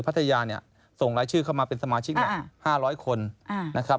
พัทยาเนี่ยส่งรายชื่อเข้ามาเป็นสมาชิก๕๐๐คนนะครับ